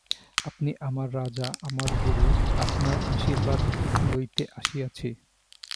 আপনি আমার রাজা, আমার গুরু, আপনার আশীর্বাদ লইতে আসিয়াছি।